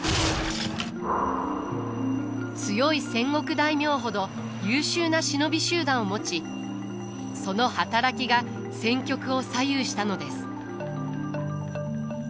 強い戦国大名ほど優秀な忍び集団を持ちその働きが戦局を左右したのです。